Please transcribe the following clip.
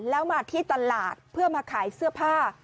แล้วมาที่ตลาดเพื่อมาขายเสื้อผ้า